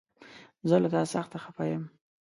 زه له تا سخته خفه يم!